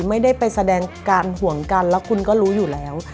ไม่ได้ไปแสดงการห่วงกันแล้วคุณก็รู้อยู่แล้ว